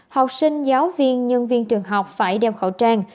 học sinh giáo viên nhân viên trường học phải đeo khẩu trang